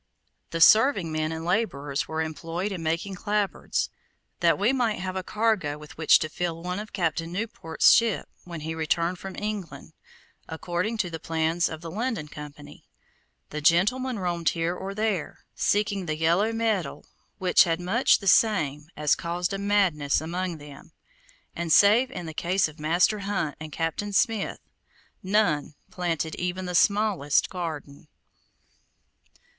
The serving men and laborers were employed in making clapboards that we might have a cargo with which to fill one of Captain Newport's ships when he returned from England, according to the plans of the London Company. The gentlemen roamed here or there, seeking the yellow metal which had much the same as caused a madness among them; and, save in the case of Master Hunt and Captain Smith, none planted even the smallest garden.